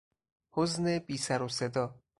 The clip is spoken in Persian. حزن بی سرو صدا